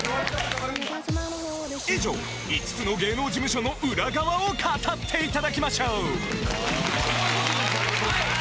以上５つの芸能事務所の裏側を語っていただきましょう